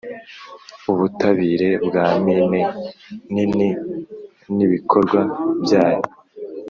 ubutabire bwa mine nini n ibikorwa byayo